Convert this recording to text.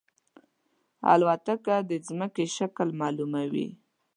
الوتکه د زمکې شکل معلوموي.